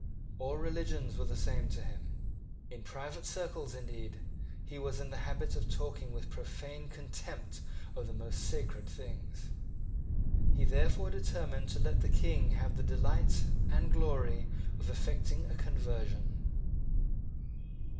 All religions were the same to him. In private circles, indeed, he was in the habit of talking with profane contempt of the most sacred things. He therefore determined to let the King have the delight and glory of effecting a conversion.